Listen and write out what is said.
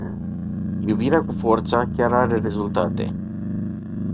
Iubirea cu forța chiar are rezultate.